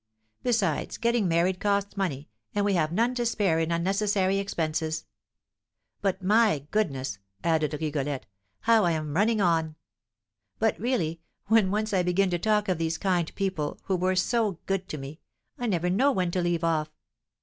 Besides, getting married costs money, and we have none to spare in unnecessary expenses.' But, my goodness," added Rigolette, "how I am running on. But, really, when once I begin to talk of these kind people, who were so good to me, I never know when to leave off.